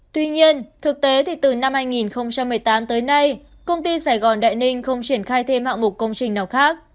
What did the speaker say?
tuy nhiên thực tế thì từ năm hai nghìn một mươi tám tới nay công ty sài gòn đại ninh không triển khai thêm hạng mục công trình nào khác